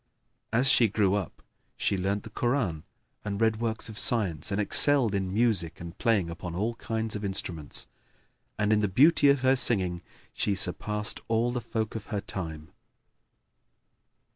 As she grew up she learnt the Koran and read works of science and excelled in music and playing upon all kinds of instruments; and in the beauty of her singing she surpassed all the folk of her time.